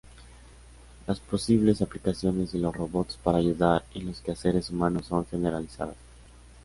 Las posibles aplicaciones de los robots para ayudar en los quehaceres humanos son generalizadas.